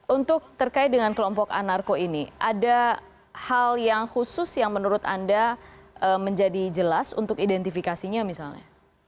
untuk terkait dengan kelompok anarko ini ada hal yang khusus yang menurut anda menjadi jelas untuk identifikasinya misalnya